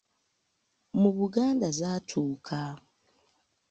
Mu Buganda zaatuuka.